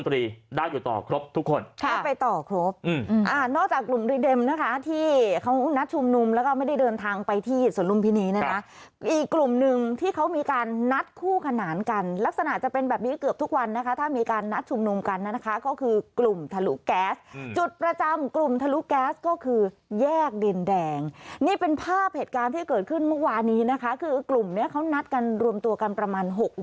รัฐบันตรีได้อยู่ต่อครบทุกคนครับ